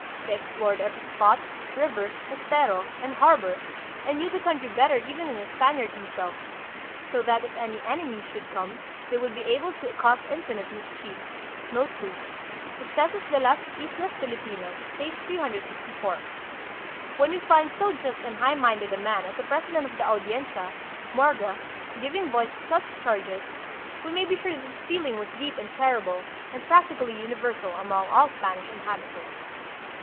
They ex plored every spot, river, estero, and harbor, and knew the country better even than the Spaniard himself, so that if any enemy should come they would be able to cause infinite mischief. 2 When we find so just and high minded a man as the president of the Audiencia, Morga, giving voice to such charges, we may be sure that the feel ing was deep and terrible, and practically universal among all Spanish inhabitants.